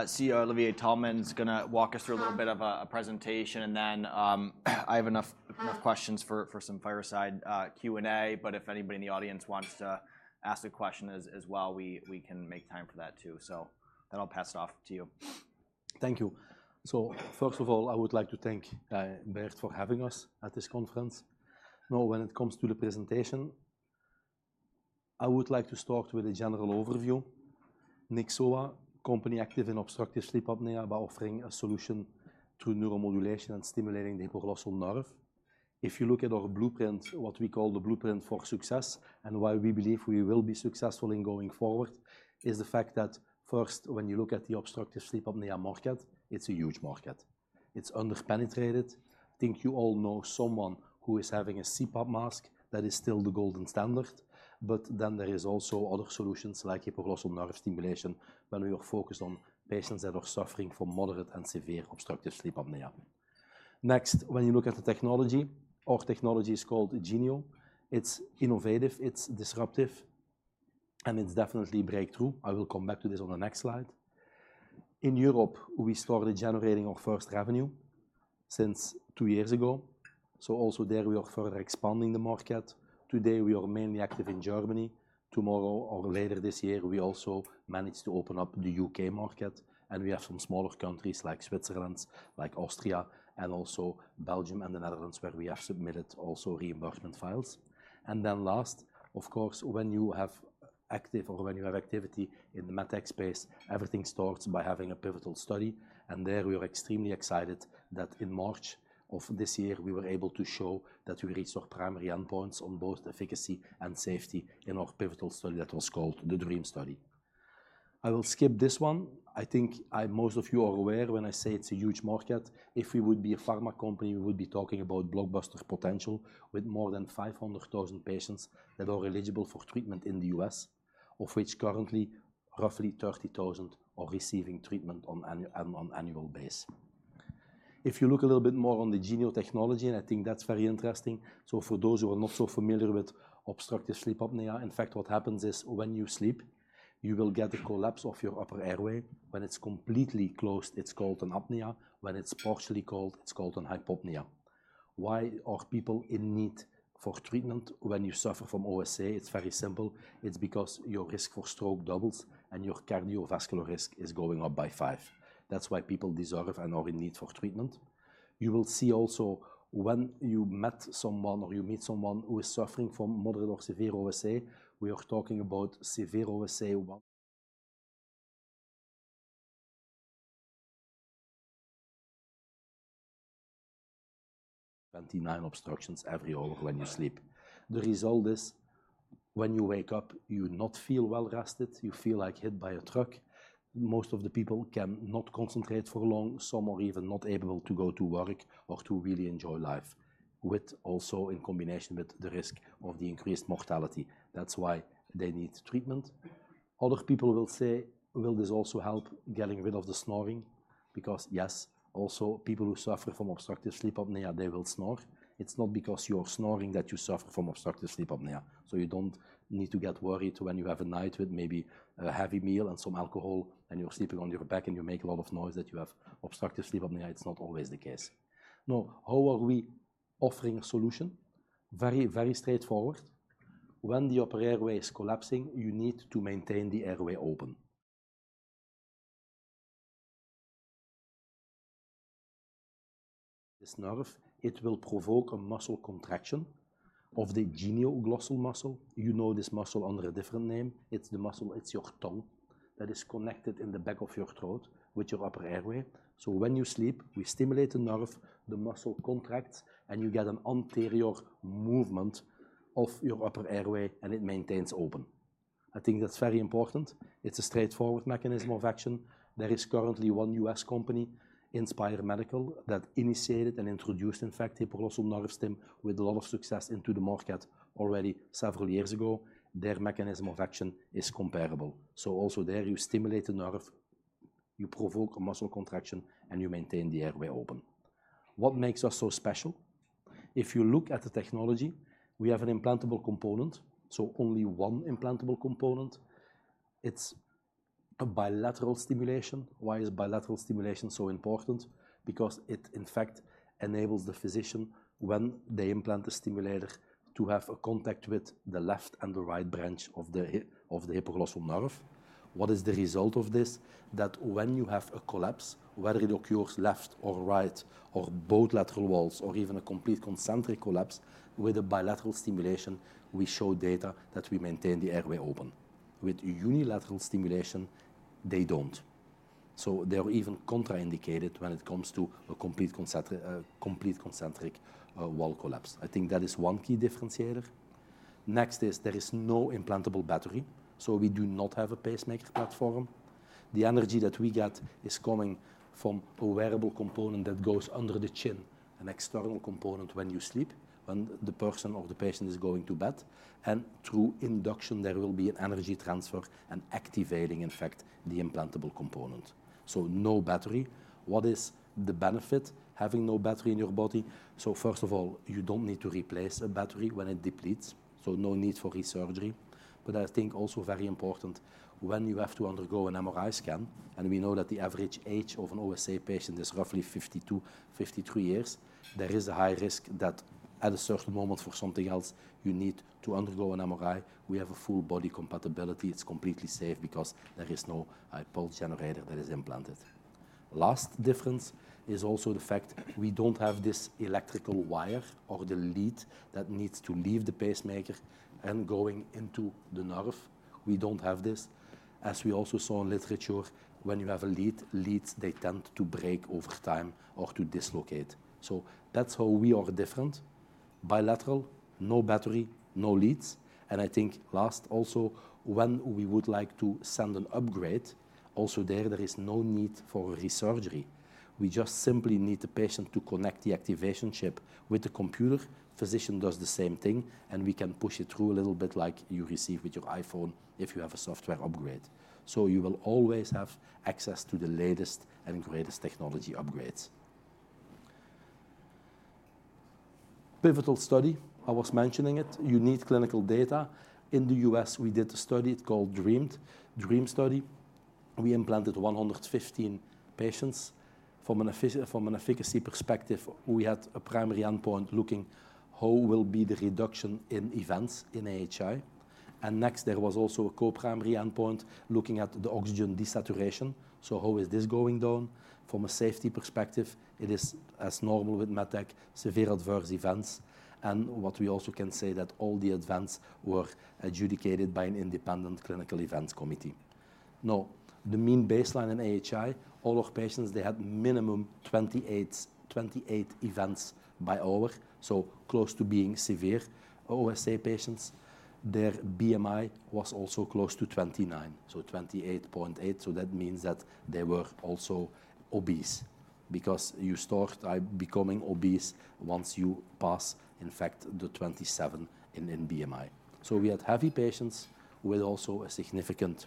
CEO Olivier Taelman is gonna walk us through a little bit of a presentation, and then I have enough questions for some fireside Q&A. But if anybody in the audience wants to ask a question as well, we can make time for that, too. So then I'll pass it off to you. Thank you. First of all, I would like to thank Bert for having us at this conference. Now, when it comes to the presentation, I would like to start with a general overview. Nyxoah, a company active in obstructive sleep apnea about offering a solution through neuromodulation and stimulating the hypoglossal nerve. If you look at our blueprint, what we call the blueprint for success, and why we believe we will be successful going forward, is the fact that first, when you look at the obstructive sleep apnea market, it is a huge market. It is under-penetrated. I think you all know someone who is having a CPAP mask. That is still the gold standard. But then there is also other solutions, like hypoglossal nerve stimulation, when we are focused on patients that are suffering from moderate and severe obstructive sleep apnea. Next, when you look at the technology, our technology is called Genio. It's innovative, it's disruptive, and it's definitely a breakthrough. I will come back to this on the next slide. In Europe, we started generating our first revenue since two years ago, so also there, we are further expanding the market. Today, we are mainly active in Germany. Tomorrow or later this year, we also manage to open up the U.K. market, and we have some smaller countries, like Switzerland, like Austria, and also Belgium and the Netherlands, where we have submitted also reimbursement files. And then last, of course, when you have active or when you have activity in the MedTech space, everything starts by having a pivotal study. There, we are extremely excited that in March of this year, we were able to show that we reached our primary endpoints on both efficacy and safety in our pivotal study. That was called the DREAM Study. I will skip this one. I think most of you are aware when I say it's a huge market. If we would be a pharma company, we would be talking about blockbuster potential with more than 500,000 patients that are eligible for treatment in the U.S., of which currently roughly 30,000 are receiving treatment on annual basis. If you look a little bit more on the Genio technology, and I think that's very interesting. So for those who are not so familiar with obstructive sleep apnea, in fact, what happens is when you sleep, you will get a collapse of your upper airway. When it's completely closed, it's called an apnea. When it's partially closed, it's called a hypopnea. Why are people in need for treatment when you suffer from OSA? It's very simple. It's because your risk for stroke doubles, and your cardiovascular risk is going up by five. That's why people deserve and are in need for treatment. You will see also, when you met someone or you meet someone who is suffering from moderate or severe OSA, we are talking about severe OSA, 129 obstructions every hour when you sleep. The result is when you wake up, you not feel well-rested. You feel like hit by a truck. Most of the people cannot concentrate for long. Some are even not able to go to work or to really enjoy life, with also in combination with the risk of the increased mortality. That's why they need treatment. Other people will say: Will this also help getting rid of the snoring? Because, yes, also, people who suffer from obstructive sleep apnea, they will snore. It's not because you are snoring that you suffer from obstructive sleep apnea, so you don't need to get worried when you have a night with maybe a heavy meal and some alcohol, and you're sleeping on your back, and you make a lot of noise, that you have obstructive sleep apnea. It's not always the case. Now, how are we offering a solution? Very, very straightforward. When the upper airway is collapsing, you need to maintain the airway open. This nerve, it will provoke a muscle contraction of the genioglossus muscle. You know this muscle under a different name. It's the muscle, it's your tongue that is connected in the back of your throat with your upper airway. So when you sleep, we stimulate the nerve, the muscle contracts, and you get an anterior movement of your upper airway, and it maintains open. I think that's very important. It's a straightforward mechanism of action. There is currently one U.S. company, Inspire Medical, that initiated and introduced, in fact, hypoglossal nerve stim with a lot of success into the market already several years ago. Their mechanism of action is comparable. So also there, you stimulate the nerve, you provoke a muscle contraction, and you maintain the airway open. What makes us so special? If you look at the technology, we have an implantable component, so only one implantable component. It's a bilateral stimulation. Why is bilateral stimulation so important? Because it, in fact, enables the physician, when they implant the stimulator, to have a contact with the left and the right branch of the hypoglossal nerve. What is the result of this? That when you have a collapse, whether it occurs left or right, or both lateral walls, or even a complete concentric collapse, with a bilateral stimulation, we show data that we maintain the airway open. With unilateral stimulation, they don't. So they are even contraindicated when it comes to a complete concentric wall collapse. I think that is one key differentiator. Next is there is no implantable battery, so we do not have a pacemaker platform. The energy that we get is coming from a wearable component that goes under the chin, an external component when you sleep, when the person or the patient is going to bed, and through induction, there will be an energy transfer and activating, in fact, the implantable component. So no battery. What is the benefit, having no battery in your body? First of all, you don't need to replace a battery when it depletes, so no need for re-surgery. But I think also very important, when you have to undergo an MRI scan, and we know that the average age of an OSA patient is roughly 52, 53 years, there is a high risk that at a certain moment for something else, you need to undergo an MRI. We have a full body compatibility. It's completely safe because there is no pulse generator that is implanted. Last difference is also the fact we don't have this electrical wire or the lead that needs to leave the pacemaker and going into the nerve. We don't have this. As we also saw in literature, when you have a lead, leads, they tend to break over time or to dislocate. That's how we are different: bilateral, no battery, no leads. I think last, also, when we would like to send an upgrade, also there is no need for re-surgery. We just simply need the patient to connect the activation chip with the computer. Physician does the same thing, and we can push it through a little bit like you receive with your iPhone if you have a software upgrade. So you will always have access to the latest and greatest technology upgrades. Pivotal study, I was mentioning it. You need clinical data. In the U.S., we did a study. It's called DREAM study. We implanted 115 patients. From an efficacy perspective, we had a primary endpoint looking how will be the reduction in events in AHI. And next, there was also a co-primary endpoint looking at the oxygen desaturation. So how is this going down? From a safety perspective, it is as normal with medtech, severe adverse events. What we also can say is that all the events were adjudicated by an independent clinical events committee. Now, the mean baseline in AHI, all our patients, they had minimum 28, 28 events per hour, so close to being severe OSA patients. Their BMI was also close to 29, so 28.8. That means that they were also obese, because you start becoming obese once you pass, in fact, the 27 in BMI. We had heavy patients with also a significant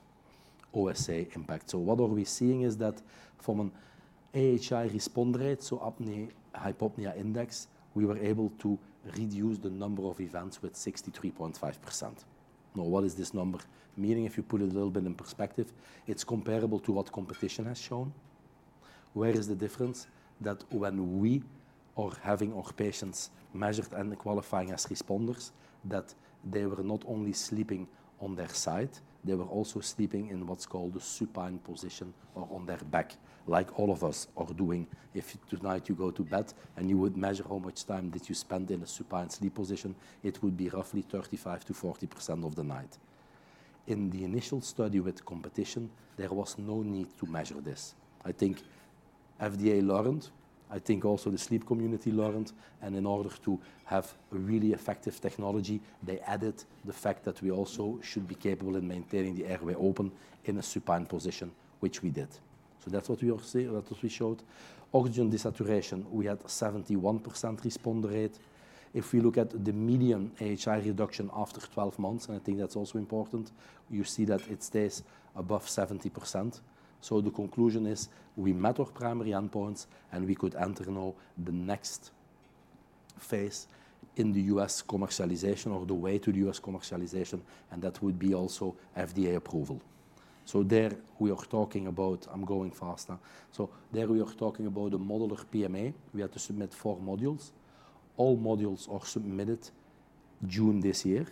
OSA impact. What we are seeing is that from an AHI response rate, so apnea-hypopnea index, we were able to reduce the number of events with 63.5%. Now, what is this number meaning? If you put it a little bit in perspective, it's comparable to what competition has shown. Where is the difference? That when we are having our patients measured and qualifying as responders, that they were not only sleeping on their side, they were also sleeping in what's called a supine position or on their back, like all of us are doing. If tonight you go to bed and you would measure how much time did you spend in a supine sleep position, it would be roughly 35%-40% of the night. In the initial study with competition, there was no need to measure this. I think FDA learned, I think also the sleep community learned, and in order to have a really effective technology, they added the fact that we also should be capable in maintaining the airway open in a supine position, which we did. That's what we are seeing, that is what we showed. Oxygen desaturation, we had a 71% response rate. If we look at the median AHI reduction after 12 months, and I think that's also important, you see that it stays above 70%. The conclusion is, we met our primary endpoints, and we could enter now the next phase in the U.S. commercialization or the way to the U.S. commercialization, and that would be also FDA approval. There we are talking about. I'm going faster. There we are talking about a modular PMA. We had to submit four modules. All modules are submitted June this year.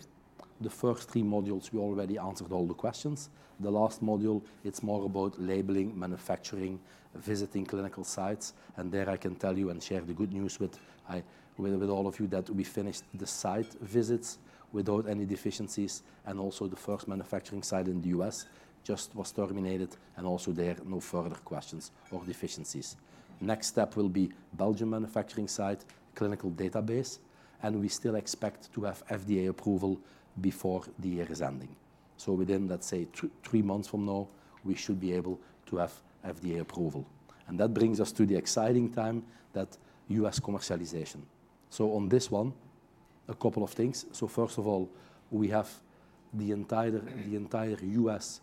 The first three modules, we already answered all the questions. The last module, it's more about labeling, manufacturing, visiting clinical sites. And there I can tell you and share the good news with all of you, that we finished the site visits without any deficiencies, and also the first manufacturing site in the U.S. just was terminated, and also there, no further questions or deficiencies. Next step will be Belgium manufacturing site, clinical database, and we still expect to have FDA approval before the year is ending. So within, let's say, two, three months from now, we should be able to have FDA approval. And that brings us to the exciting time, that U.S. commercialization. So on this one, a couple of things. So first of all, we have the entire U.S.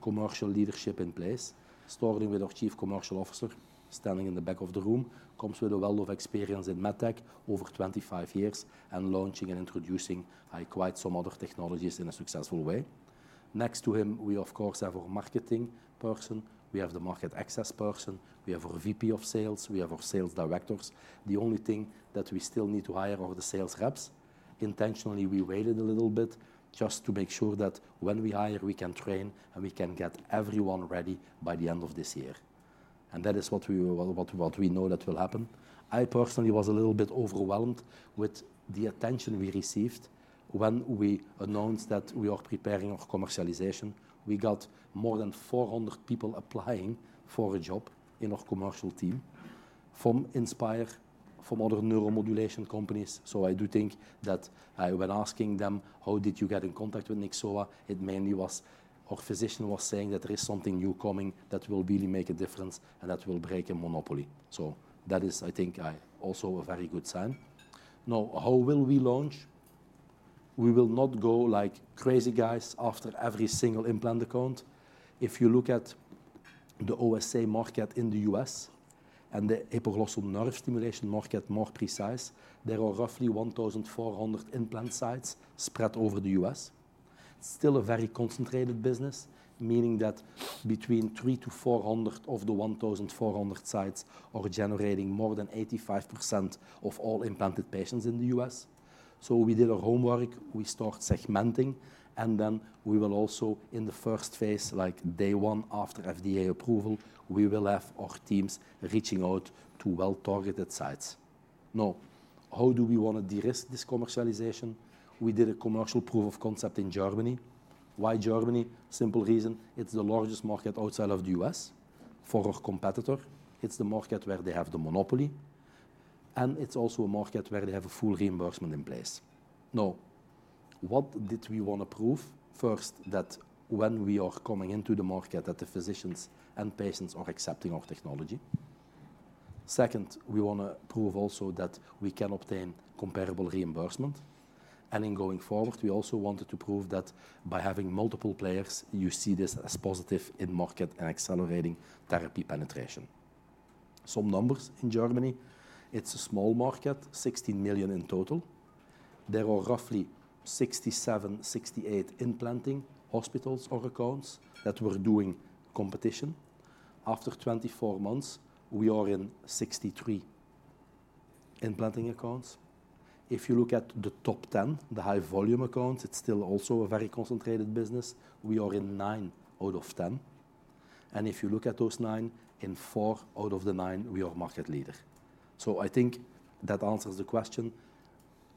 commercial leadership in place, starting with our Chief Commercial Officer, standing in the back of the room. Comes with a world of experience in med tech, over 25 years, and launching and introducing quite some other technologies in a successful way. Next to him, we of course have our marketing person, we have the market access person, we have our VP of sales, we have our sales directors. The only thing that we still need to hire are the sales reps. Intentionally, we waited a little bit just to make sure that when we hire, we can train, and we can get everyone ready by the end of this year, and that is what we know that will happen. I personally was a little bit overwhelmed with the attention we received when we announced that we are preparing our commercialization. We got more than 400 people applying for a job in our commercial team, from Inspire, from other neuromodulation companies. So I do think that, when asking them, "How did you get in contact with Nyxoah?" It mainly was our physician saying that there is something new coming that will really make a difference and that will break a monopoly. So that is, I think, also a very good sign. Now, how will we launch? We will not go like crazy guys after every single implant account. If you look at the OSA market in the U.S. and the hypoglossal nerve stimulation market, more precise, there are roughly 1,400 implant sites spread over the U.S. Still a very concentrated business, meaning that between 300-400 of the 1,400 sites are generating more than 85% of all implanted patients in the U.S. So we did our homework, we start segmenting, and then we will also, in the first phase, like day one after FDA approval, we will have our teams reaching out to well-targeted sites. Now, how do we wanna de-risk this commercialization? We did a commercial proof of concept in Germany. Why Germany? Simple reason: it's the largest market outside of the U.S. for our competitor. It's the market where they have the monopoly, and it's also a market where they have a full reimbursement in place. Now, what did we wanna prove? First, that when we are coming into the market, that the physicians and patients are accepting our technology. Second, we wanna prove also that we can obtain comparable reimbursement, and in going forward, we also wanted to prove that by having multiple players, you see this as positive in market and accelerating therapy penetration. Some numbers in Germany. It's a small market, 16 million in total. There are roughly 67-68 implanting hospitals or accounts that were doing competition. After 24 months, we are in 63 implanting accounts. If you look at the top 10, the high volume accounts, it's still also a very concentrated business. We are in 9 out of 10, and if you look at those nine, in 4 out of the 9, we are market leader. So I think that answers the question,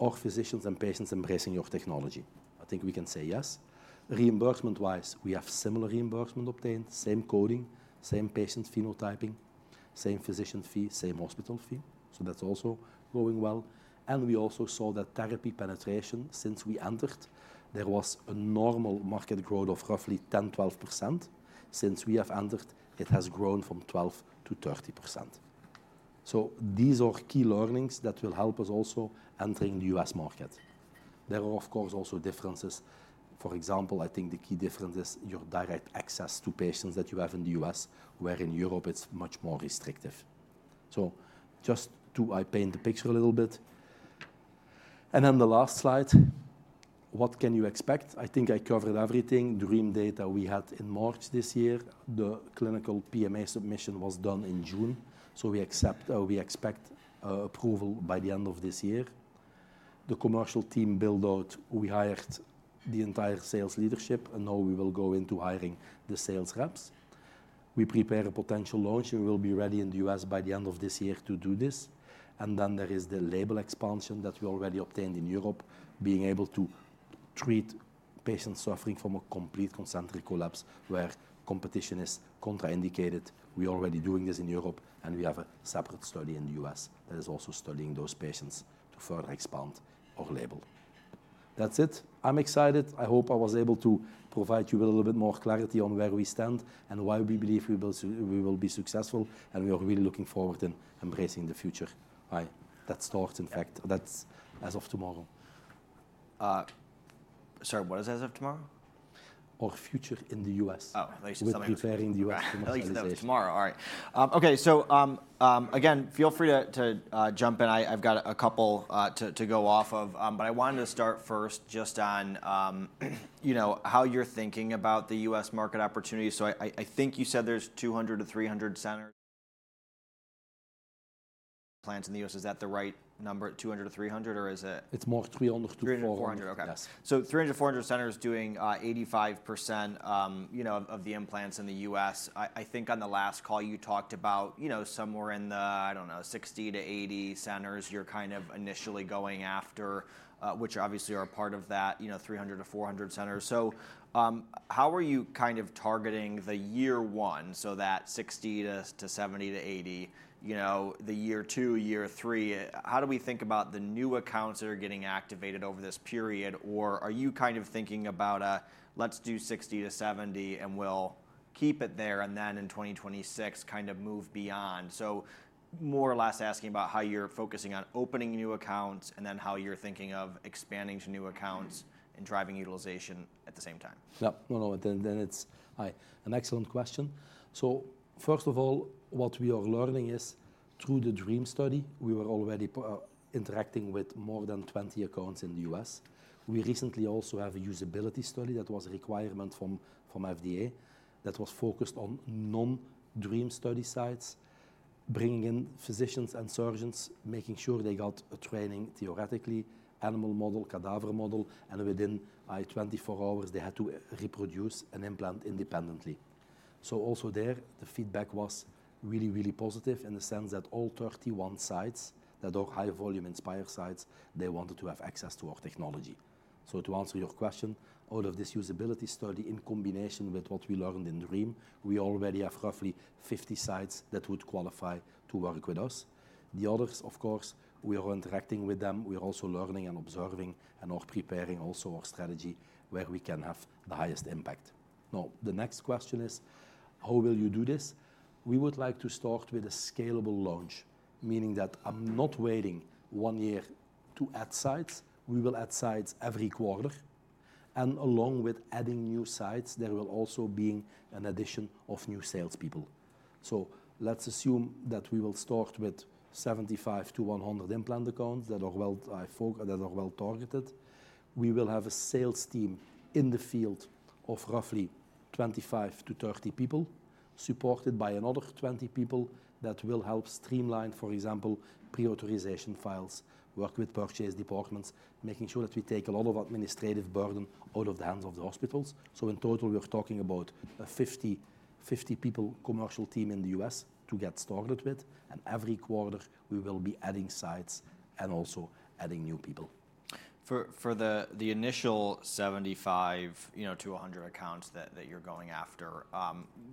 are physicians and patients embracing your technology? I think we can say yes. Reimbursement-wise, we have similar reimbursement obtained, same coding, same patient phenotyping, same physician fee, same hospital fee, so that's also going well. We also saw that therapy penetration since we entered. There was a normal market growth of roughly 10%-12%. Since we have entered, it has grown from 12%-30%. So these are key learnings that will help us also entering the U.S. market. There are, of course, also differences. For example, I think the key difference is your direct access to patients that you have in the U.S., where in Europe it is much more restrictive. So just to paint the picture a little bit. And then the last slide: what can you expect? I think I covered everything. DREAM data we had in March this year. The clinical PMA submission was done in June, so we expect approval by the end of this year. The commercial team build-out, we hired the entire sales leadership, and now we will go into hiring the sales reps. We prepare a potential launch, and we will be ready in the U.S. by the end of this year to do this, and then there is the label expansion that we already obtained in Europe, being able to treat patients suffering from a complete concentric collapse, where competition is contraindicated. We're already doing this in Europe, and we have a separate study in the U.S. that is also studying those patients to further expand our label. That's it. I'm excited. I hope I was able to provide you with a little bit more clarity on where we stand and why we believe we will be successful, and we are really looking forward in embracing the future. Bye. That starts, in fact, that's as of tomorrow. Sorry, what is as of tomorrow? Our future in the U.S. Oh, at least- We're preparing the U.S. commercialization. At least that's tomorrow. All right. Okay, so again, feel free to jump in. I've got a couple to go off of, but I wanted to start first just on you know, how you're thinking about the U.S. market opportunity. So I think you said there's 200-300 sleep centers in the U.S. Is that the right number, 200-300, or is it? It's more 300-400. 300-400. Okay. Yes. So 300-400 centers doing 85% of the implants in the U.S. I think on the last call, you talked about, you know, somewhere in the, I don't know, 60-80 centers you're kind of initially going after, which obviously are a part of that, you know, 300-400 centers. So, how are you kind of targeting the year one, so that 60 to 70 to 80, you know, the year two, year three? How do we think about the new accounts that are getting activated over this period? Or are you kind of thinking about, let's do 60-70, and we'll keep it there, and then in 2026, kind of move beyond? So, more or less asking about how you're focusing on opening new accounts, and then how you're thinking of expanding to new accounts and driving utilization at the same time? Yeah. No, no, then it's an excellent question. So first of all, what we are learning is through the DREAM study, we were already interacting with more than 20 accounts in the U.S. We recently also have a usability study that was a requirement from FDA, that was focused on non-DREAM study sites, bringing in physicians and surgeons, making sure they got a training, theoretically, animal model, cadaver model, and within 24 hours, they had to reproduce an implant independently. So also there, the feedback was really, really positive in the sense that all 31 sites that are high-volume Inspire sites, they wanted to have access to our technology. So to answer your question, all of this usability study, in combination with what we learned in DREAM, we already have roughly 50 sites that would qualify to work with us. The others, of course, we are interacting with them. We are also learning and observing and are preparing also our strategy where we can have the highest impact. Now, the next question is: how will you do this? We would like to start with a scalable launch, meaning that I'm not waiting one year to add sites. We will add sites every quarter, and along with adding new sites, there will also be an addition of new salespeople. So let's assume that we will start with 75-100 implant accounts that are well targeted. We will have a sales team in the field of roughly 25-30 people, supported by another 20 people that will help streamline, for example, pre-authorization files, work with purchase departments, making sure that we take a lot of administrative burden out of the hands of the hospitals. So in total, we are talking about a 50, 50 people commercial team in the U.S. to get started with, and every quarter we will be adding sites and also adding new people. For the initial 75-100 accounts that you're going after,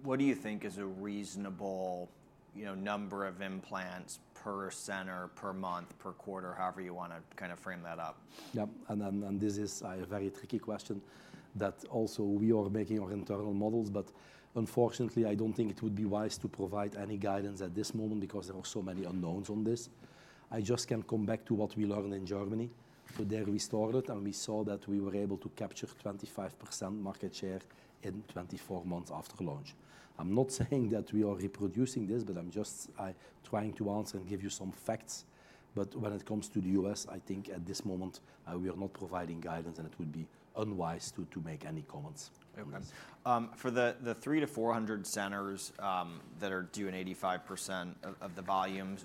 what do you think is a reasonable, you know, number of implants per center, per month, per quarter, however you wanna kind of frame that up? Yeah, and then, and this is a very tricky question that also we are making our internal models, but unfortunately, I don't think it would be wise to provide any guidance at this moment because there are so many unknowns on this. I just can come back to what we learned in Germany. So there we started, and we saw that we were able to capture 25% market share in 24 months after launch. I'm not saying that we are reproducing this, but I'm just trying to answer and give you some facts. But when it comes to the U.S., I think at this moment, we are not providing guidance, and it would be unwise to make any comments. Okay. For the 3-400 centers that are doing 85% of the volumes,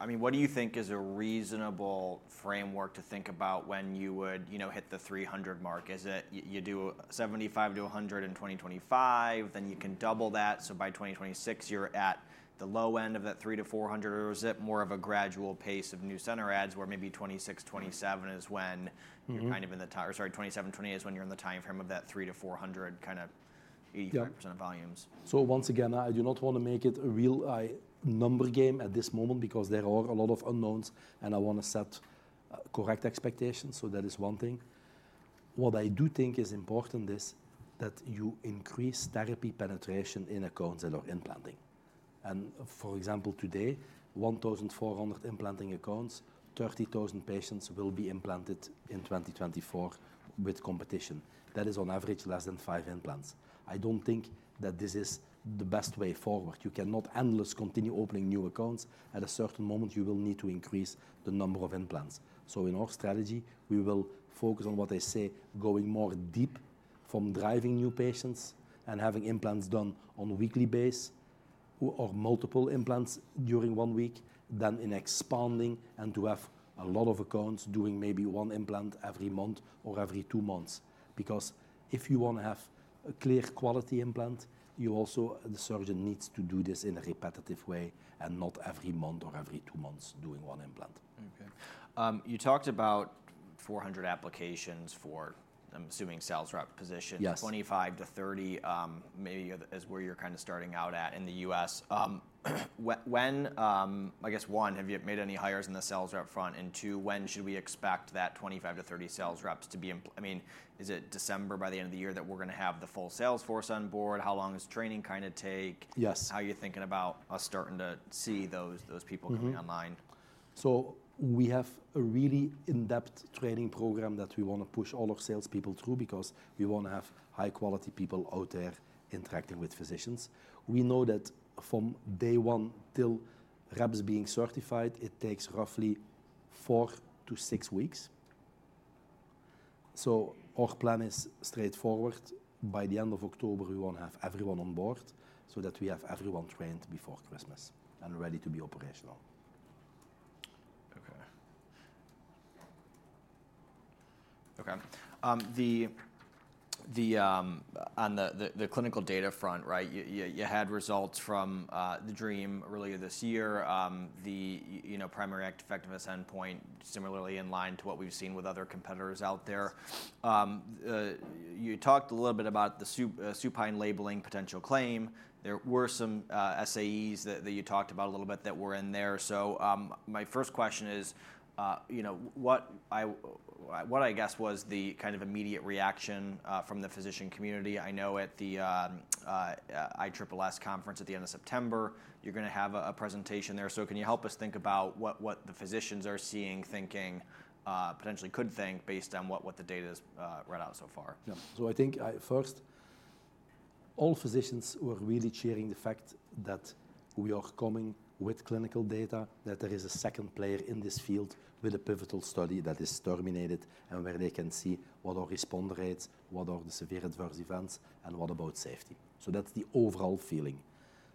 I mean, what do you think is a reasonable framework to think about when you would, you know, hit the 300 mark? Is it you do 75-100 in 2025, then you can double that, so by 2026, you're at the low end of that 3-400, or is it more of a gradual pace of new center adds, where maybe 2026, 2027 is when- Mm-hmm. You're kind of in the time. Or sorry, 27, 28 is when you're in the time frame of that 3-400, kind of- Yeah... 85% of volumes? So once again, I do not wanna make it a real, number game at this moment because there are a lot of unknowns, and I wanna set correct expectations, so that is one thing. What I do think is important is that you increase therapy penetration in accounts that are implanting. For example, today, 1,400 implanting accounts, 30,000 patients will be implanted in 2024 with competition. That is on average, less than five implants. I don't think that this is the best way forward. You cannot endlessly continue opening new accounts. At a certain moment, you will need to increase the number of implants. So in our strategy, we will focus on what I say, going more deep from driving new patients and having implants done on a weekly basis, or multiple implants during one week, than in expanding and to have a lot of accounts doing maybe one implant every month or every two months. Because if you wanna have a clear quality implant, you also... the surgeon needs to do this in a repetitive way, and not every month or every two months doing one implant. Mm-hmm. You talked about 400 applications for, I'm assuming, sales rep positions. Yes. 25-30 maybe is where you're kind of starting out at in the U.S. I guess, one, have you made any hires in the sales rep front? And two, when should we expect that 25-30 sales reps to be I mean, is it December, by the end of the year, that we're gonna have the full sales force on board? How long does training kinda take? Yes. How are you thinking about us starting to see those people? Mm-hmm... coming online? We have a really in-depth training program that we wanna push all our salespeople through, because we wanna have high-quality people out there interacting with physicians. We know that from day one till reps being certified, it takes roughly four-six weeks. Our plan is straightforward. By the end of October, we wanna have everyone on board so that we have everyone trained before Christmas and ready to be operational. Okay. Okay, on the clinical data front, right? You had results from the DREAM earlier this year. You know, primary effectiveness endpoint, similarly in line to what we've seen with other competitors out there. You talked a little bit about the supine labeling potential claim. There were some SAEs that you talked about a little bit that were in there. So, my first question is, you know, what I guess was the kind of immediate reaction from the physician community? I know at the ISSS conference at the end of September, you're gonna have a presentation there. So can you help us think about what the physicians are seeing, thinking, potentially could think, based on what the data is, right now so far? Yeah. So I think first, all physicians were really cheering the fact that we are coming with clinical data, that there is a second player in this field with a pivotal study that is terminated, and where they can see what are response rates, what are the severe adverse events, and what about safety. So that's the overall feeling.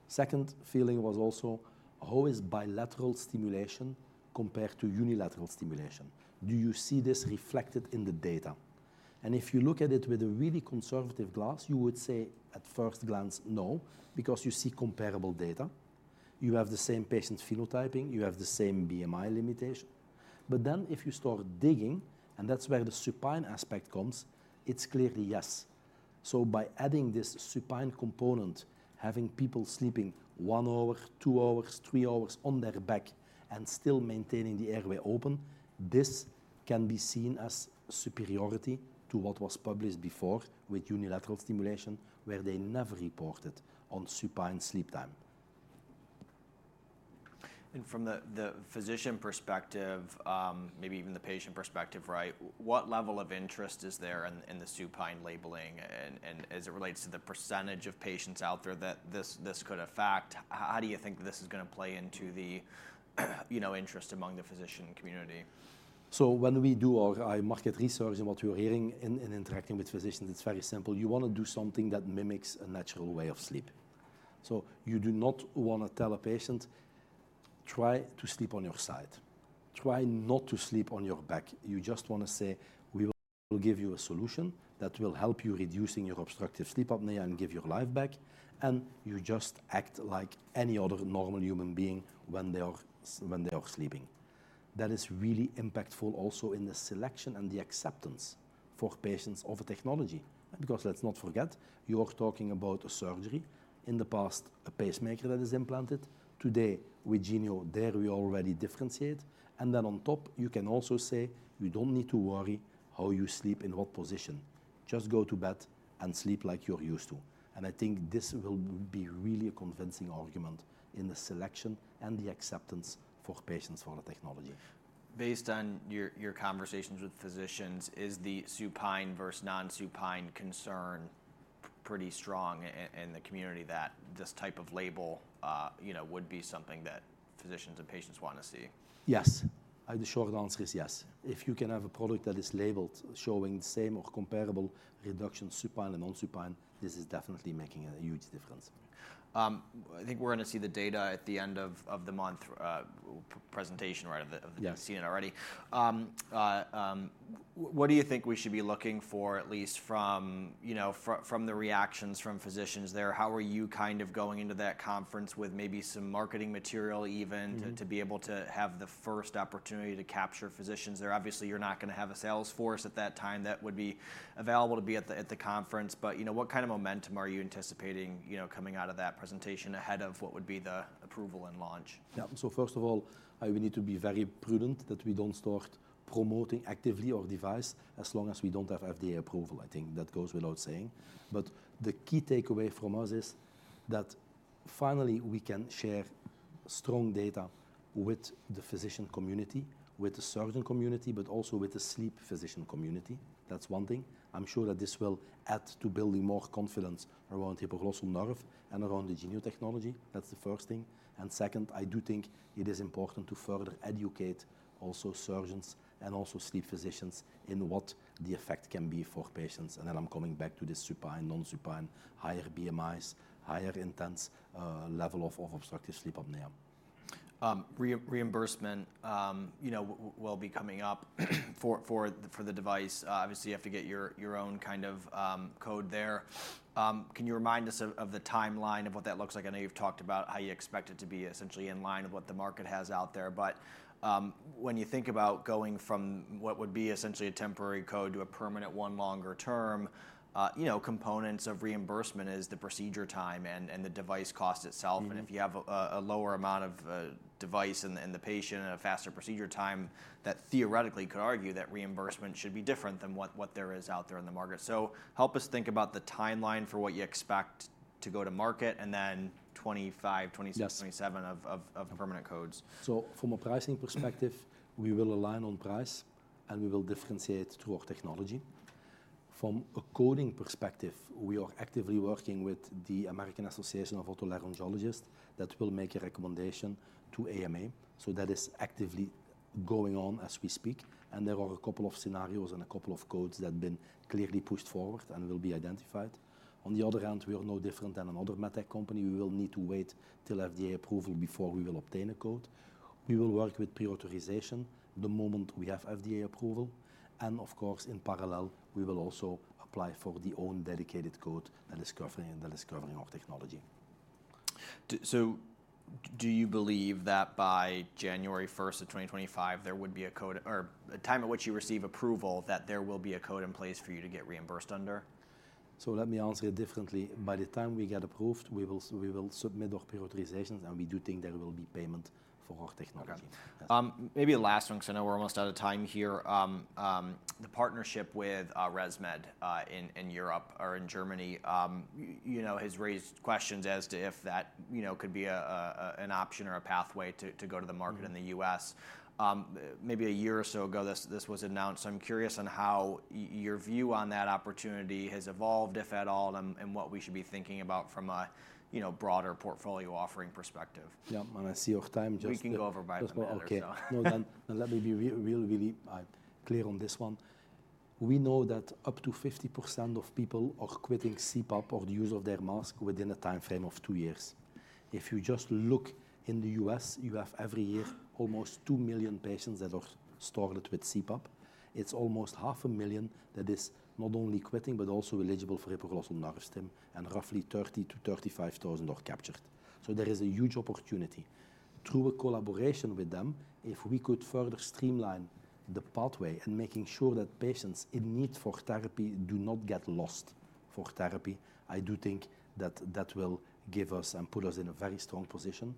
Second feeling was also: How is bilateral stimulation compared to unilateral stimulation? Do you see this reflected in the data? And if you look at it with a really conservative lens, you would say, at first glance, "No," because you see comparable data. You have the same patient phenotyping, you have the same BMI limitation. But then, if you start digging, and that's where the supine aspect comes, it's clearly yes. By adding this supine component, having people sleeping one hour, two hours, three hours on their back and still maintaining the airway open, this can be seen as superiority to what was published before with unilateral stimulation, where they never reported on supine sleep time. ... And from the physician perspective, maybe even the patient perspective, right? What level of interest is there in the supine labeling, and as it relates to the percentage of patients out there that this could affect, how do you think this is gonna play into the, you know, interest among the physician community? So when we do our market research and what we are hearing in interacting with physicians, it's very simple. You wanna do something that mimics a natural way of sleep. So you do not wanna tell a patient, "Try to sleep on your side. Try not to sleep on your back." You just wanna say, "We will give you a solution that will help you reducing your obstructive sleep apnea and give your life back, and you just act like any other normal human being when they are sleeping." That is really impactful also in the selection and the acceptance for patients of a technology. Because let's not forget, you are talking about a surgery. In the past, a pacemaker that is implanted, today, with Genio, there we already differentiate. And then on top, you can also say, "You don't need to worry how you sleep, in what position. Just go to bed and sleep like you're used to." And I think this will be really a convincing argument in the selection and the acceptance for patients for the technology. Based on your conversations with physicians, is the supine versus non-supine concern pretty strong in the community, that this type of label, you know, would be something that physicians and patients wanna see? Yes. The short answer is yes. If you can have a product that is labeled, showing the same or comparable reduction, supine and non-supine, this is definitely making a huge difference. I think we're gonna see the data at the end of the month, presentation, right? Of the- Yeah... of the CN already. What do you think we should be looking for, at least from, you know, the reactions from physicians there? How are you kind of going into that conference with maybe some marketing material even- Mm-hmm... to be able to have the first opportunity to capture physicians there? Obviously, you're not gonna have a sales force at that time that would be available to be at the conference, but, you know, what kind of momentum are you anticipating, you know, coming out of that presentation, ahead of what would be the approval and launch? Yeah. So first of all, we need to be very prudent that we don't start promoting actively our device as long as we don't have FDA approval. I think that goes without saying. But the key takeaway from us is that finally we can share strong data with the physician community, with the surgeon community, but also with the sleep physician community. That's one thing. I'm sure that this will add to building more confidence around hypoglossal nerve and around the Genio technology. That's the first thing. And second, I do think it is important to further educate also surgeons and also sleep physicians in what the effect can be for patients. And then I'm coming back to this supine, non-supine, higher BMIs, higher intensity level of obstructive sleep apnea. Reimbursement, you know, will be coming up for the device. Obviously, you have to get your own kind of code there. Can you remind us of the timeline of what that looks like? I know you've talked about how you expect it to be essentially in line with what the market has out there, but when you think about going from what would be essentially a temporary code to a permanent one, longer term, you know, components of reimbursement is the procedure time and the device cost itself. Mm-hmm. And if you have a lower amount of device in the patient and a faster procedure time, that theoretically could argue that reimbursement should be different than what there is out there in the market. So help us think about the timeline for what you expect to go to market and then 2025, 2026- Yes... 27 of permanent codes. From a pricing perspective, we will align on price, and we will differentiate through our technology. From a coding perspective, we are actively working with the American Association of [Otolaryngologists]. That will make a recommendation to AMA, so that is actively going on as we speak, and there are a couple of scenarios and a couple of codes that have been clearly pushed forward and will be identified. On the other hand, we are no different than another med tech company. We will need to wait till FDA approval before we will obtain a code. We will work with pre-authorization the moment we have FDA approval, and of course, in parallel, we will also apply for our own dedicated code, the MS-DRG, and the new technology add-on. So do you believe that by January 1st of 2025, there would be a code... or the time at which you receive approval, that there will be a code in place for you to get reimbursed under? Let me answer it differently. By the time we get approved, we will submit our pre-authorizations, and we do think there will be payment for our technology. Okay. Maybe the last one, 'cause I know we're almost out of time here. The partnership with ResMed in Europe or in Germany, you know, has raised questions as to if that, you know, could be an option or a pathway to go to the market. Mm... in the U.S. Maybe a year or so ago, this was announced, so I'm curious on how your view on that opportunity has evolved, if at all, and what we should be thinking about from a, you know, broader portfolio offering perspective. Yeah, and I see your time just- We can go over by a bit. Okay. No, then, let me be really clear on this one. We know that up to 50% of people are quitting CPAP or the use of their mask within a timeframe of two years. If you just look in the U.S., you have, every year, almost 2 million patients that are started with CPAP. It's almost 500,000 that is not only quitting, but also eligible for hypoglossal nerve stim, and roughly 30,000-35,000 are captured. So there is a huge opportunity. Through a collaboration with them, if we could further streamline the pathway and making sure that patients in need for therapy do not get lost for therapy, I do think that that will give us and put us in a very strong position.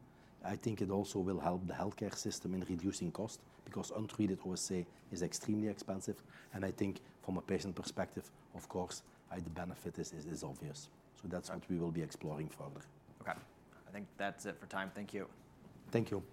I think it also will help the healthcare system in reducing cost, because untreated OSA is extremely expensive, and I think from a patient perspective, of course, the benefit is obvious. So that's what we will be exploring further. Okay. I think that's it for time. Thank you. Thank you.